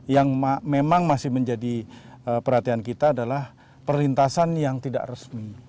yang memang masih menjadi perhatian kita adalah perlintasan yang tidak resmi